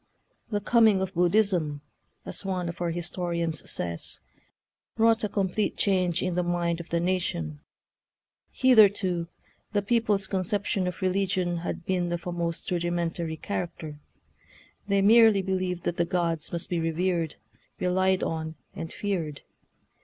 " The coming of Buddhism," as one of our historians says, "wrought a complete change in the mind of the na tion. Hitherto the people's conception of religion had been of a most rudimen tary character. They merely believed that the gods must be revered, relied on, and feared.